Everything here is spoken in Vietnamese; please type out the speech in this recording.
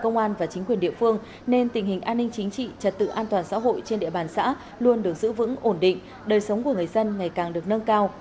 công an và chính quyền địa phương nên tình hình an ninh chính trị trật tự an toàn xã hội trên địa bàn xã luôn được giữ vững ổn định đời sống của người dân ngày càng được nâng cao